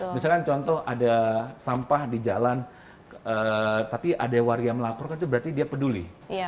misalkan contoh ada sampah di jalan tapi ada warga melaporkan itu berarti dia peduli